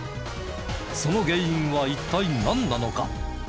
その原因は一体なんなのか？